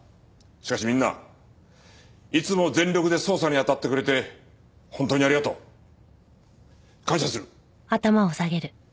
しかしみんないつも全力で捜査にあたってくれて本当にありがとう。感謝する。